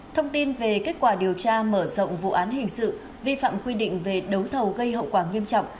thông tin về kết quả điều tra mở rộng vụ án hình sự vi phạm quy định về đấu thầu gây hậu quả nghiêm trọng